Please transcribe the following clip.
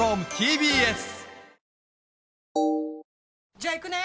じゃあ行くね！